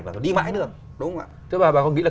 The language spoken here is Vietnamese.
và đi mãi được đúng không ạ